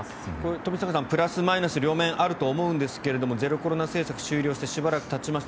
冨坂さんプラスマイナス両面あると思うんですがゼロコロナ政策が終了してしばらくたちました。